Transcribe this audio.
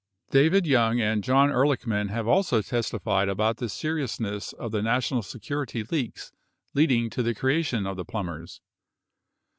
02 David Young and John Ehrlichman have also testified about the seriousness of the national security leaks leading to the creation of the Plumbers.